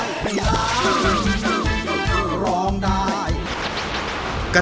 ร้องได้ไอ้ล้านร้องได้ไอ้ล้าน